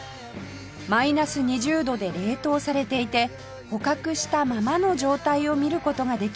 マイナス２０度で冷凍されていて捕獲したままの状態を見る事ができます